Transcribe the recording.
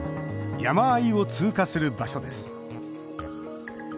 山あいを通過する場所です。